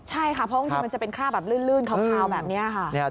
ใช่ค่ะเพราะจริงมันจะเป็นคราบแบบลื่นคาวแบบนี้ค่ะ